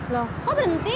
loh kok berhenti